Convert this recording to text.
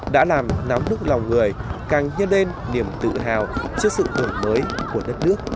đã làm nắm đứt lòng người càng nhớ lên niềm tự hào trước sự tuổi mới của đất nước